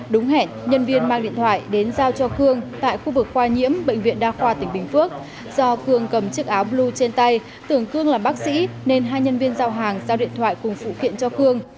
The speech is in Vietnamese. đúng hẹn nhân viên mang điện thoại đến giao cho khương tại khu vực khoa nhiễm bệnh viện đa khoa tỉnh bình phước do cường cầm chiếc áo blue trên tay tưởng cương làm bác sĩ nên hai nhân viên giao hàng giao điện thoại cùng phụ kiện cho khương